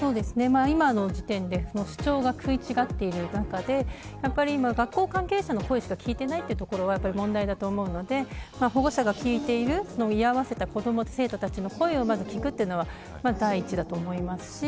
今の時点で、主張が食い違っている中で学校関係者の声しか聞けていないというところが問題だと思うので保護者が聞いている、居合わせた生徒たちの声をまず聞くことが第一だと思います。